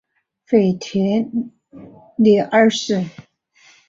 腓特烈二世。